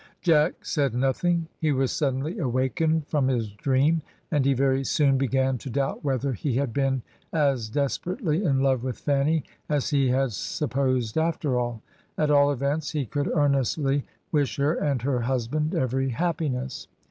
Jack said nothing, he was suddenly awakened from his dream, and he very soon began to doubt whether he had been as desperately in love with Fanny as he had supposed after all. At all events he could earnestly wish her and her husband every happiness.